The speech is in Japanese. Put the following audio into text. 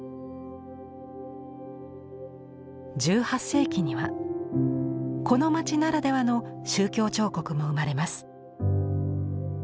１８世紀にはこの町ならではの宗教彫刻も生まれます。